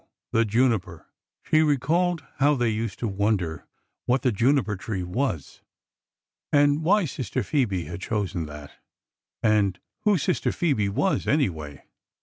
The juniper—'' She recalled how they used to wonder what the juniper tree was, and why Sister Phoebe had chosen that, and who Sister Phoebe was, anyway.